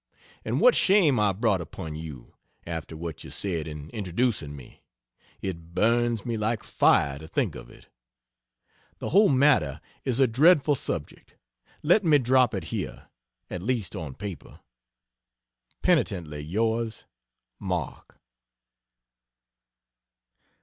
And what shame I brought upon you, after what you said in introducing me! It burns me like fire to think of it. The whole matter is a dreadful subject let me drop it here at least on paper. Penitently yrs, MARK.